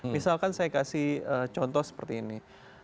misalkan saya kasih contoh seperti ini